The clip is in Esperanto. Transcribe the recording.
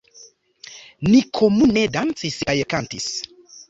Ni komune dancis kaj kantis.